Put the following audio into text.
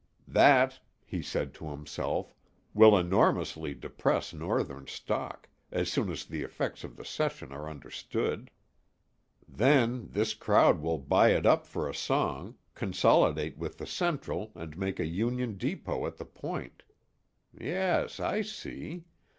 "That," he said to himself, "will enormously depress Northern stock, as soon as the effects of the cession are understood. Then, this crowd will buy it up for a song, consolidate with the Central and make a Union Depot at the Point. Yes I see.